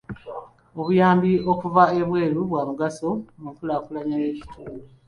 Obuyamb okuva ebweru bwa mugaso mu kkulaakulanya ekitundu.